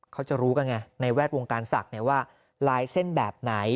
เขาจะรู้กันไงในแวดวงการศักดิ์ว่าลายเส้นแบบไหน